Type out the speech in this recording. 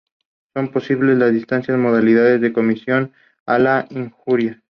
Son posibles las distintas modalidades de comisión de la injuria.